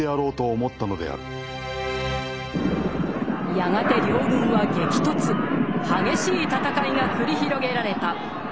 やがて両軍は激突激しい戦いが繰り広げられた。